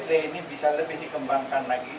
e tiga ini bisa lebih dikembangkan lagi